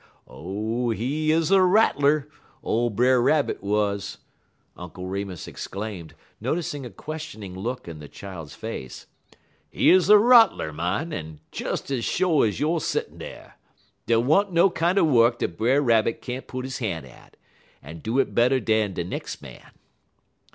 "Oh, he 'uz a rattler ole Brer Rabbit wuz," Uncle Remus exclaimed, noticing a questioning look in the child's face. "He 'uz a rattler, mon, des ez sho' ez youer settin' dar. Dey wa'n't no kinder wuk dat Brer Rabbit can't put he han' at, en do it better dan de nex' man.